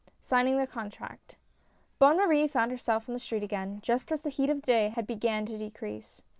SIGNING THE CONTRACT. B ONNE MARIE found herself in the street again, just as the heat of the day had began to decrease.